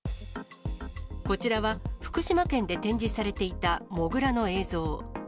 こちらは福島県で展示されていたモグラの映像。